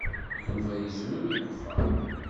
Yuba yezrew deg uxxam.